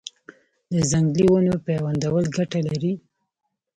د ځنګلي ونو پیوندول ګټه لري؟